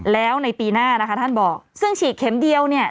แล้วในปีหน้านะคะท่านบอกซึ่งฉีดเข็มเดียวเนี่ย